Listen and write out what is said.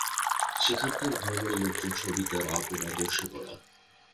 সেখানকার ঘরবাড়ি-লোকজন সবই তার আপন আদর্শে গড়া।